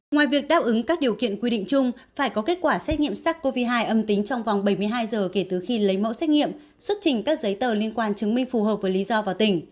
ngoài việc đáp ứng các điều kiện quy định chung phải có kết quả xét nghiệm sars cov hai âm tính trong vòng bảy mươi hai giờ kể từ khi lấy mẫu xét nghiệm xuất trình các giấy tờ liên quan chứng minh phù hợp với lý do vào tỉnh